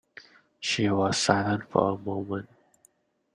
She was silent for a moment.